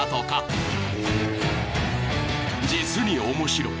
［実に面白い］